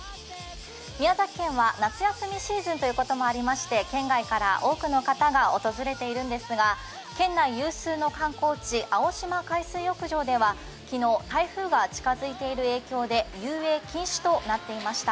宮崎県は夏休みシーズンということもありまして県外から多くの方が訪れているんですが、県内有数の観光地青島海水浴場では昨日、台風が近づいている影響で遊泳禁止となっていました。